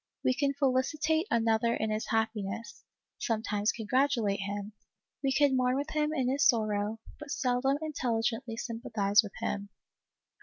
We can felicitate another in his happiness, sometimes congratulate him ; we can mourn with him in his sorrow, but seldom in telligently sympathize with him.